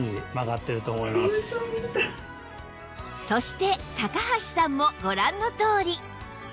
そして橋さんもご覧のとおり